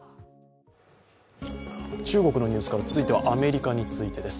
中国のニュースから続いてはアメリカについてです。